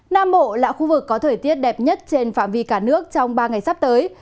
nam bộ là khu vực có thời tiết đẹp nhất trên phạm vi cả nước trong ba ngày sắp tới